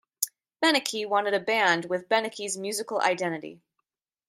Beneke wanted a band with Beneke's musical identity.